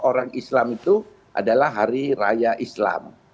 orang islam itu adalah hari raya islam